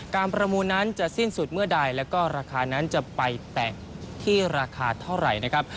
ประมูลนั้นจะสิ้นสุดเมื่อใดแล้วก็ราคานั้นจะไปแตะที่ราคาเท่าไหร่นะครับ